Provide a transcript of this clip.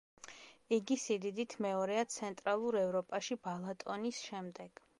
იგი სიდიდით მეორეა ცენტრალურ ევროპაში ბალატონის შემდეგ.